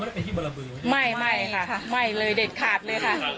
เขาไม่ได้ไปที่บรรลบือไม่ไม่ค่ะไม่เลยเด็ดขาดเลยค่ะ